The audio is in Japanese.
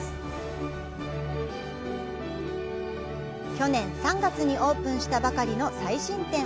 去年３月にオープンしたばかりの最新店。